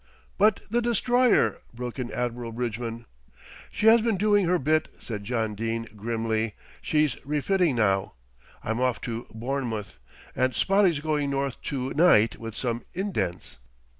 "But the Destroyer?" broke in Admiral Bridgman. "She has been doing her bit," said John Dene grimly. "She's refitting now. I'm off to Bournemouth, and Spotty's going north to night with some indents."